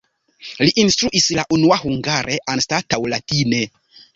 Li instruis la unua hungare anstataŭ latine.